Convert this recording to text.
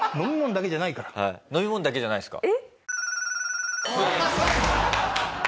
飲み物だけじゃないんですか？